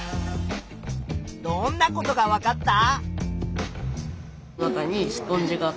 どんなことがわかった？